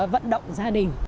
vận động gia đình